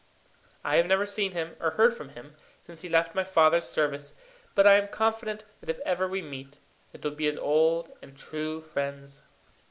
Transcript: I have never seen him, or heard from him, since he left my father's service; but I am confident that if ever we meet, it will be as old and true friends.